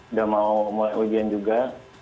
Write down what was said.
udah mau mulai ujian juga